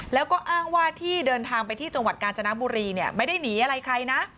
แล้วก็อ้างว่าที่เดินทางไปที่จังหวัดกาญจนบุรีเนี่ยไม่ได้หนีอะไรใครนะ